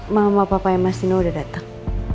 mama papa dan mas nino udah datang